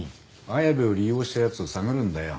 綾部を利用した奴を探るんだよ。